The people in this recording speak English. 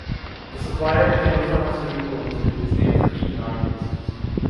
The supplier Teva Pharmaceutical Industries was named for economic reasons.